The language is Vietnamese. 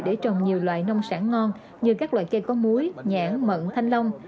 để trồng nhiều loại nông sản ngon như các loại cây có muối nhãn mận thanh long